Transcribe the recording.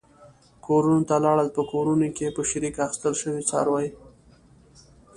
کورونو ته لاړل، په کورونو کې په شریکه اخیستل شوي څاروي.